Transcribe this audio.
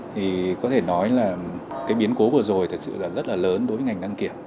thì có thể nói là cái biến cố vừa rồi thật sự là rất là lớn đối với ngành đăng kiểm